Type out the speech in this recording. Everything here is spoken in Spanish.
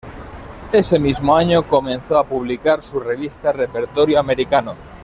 Ese mismo año comenzó a publicar su revista "Repertorio Americano".